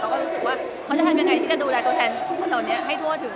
ก็รู้สึกว่าเขาจะทำยังไงที่จะดูแลตัวแทนทุกคนเหล่านี้ให้ทั่วถึง